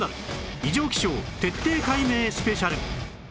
異常気象徹底解明スペシャル